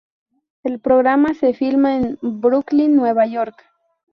El programa se filma en Brooklyn, Nueva York.